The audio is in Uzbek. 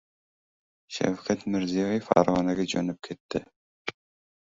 Shavkat Mirziyoev Farg‘onaga jo‘nab ketdi